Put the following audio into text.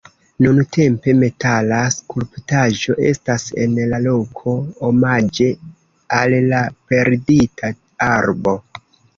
Nuntempe metala skulptaĵo estas en la loko omaĝe al la perdita arbo..